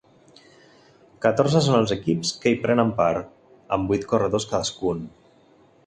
Catorze són els equips que hi prenen part, amb vuit corredors cadascun.